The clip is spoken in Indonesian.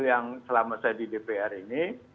yang selama saya di dpr ini